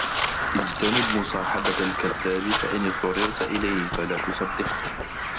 اجتنب مصاحبة الكذاب فإن اضطررت إليه فلا تُصَدِّقْهُ